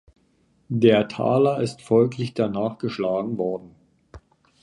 Der Taler ist folglich danach geschlagen worden.